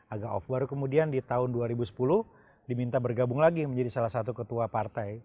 agak off baru kemudian di tahun dua ribu sepuluh diminta bergabung lagi menjadi salah satu ketua partai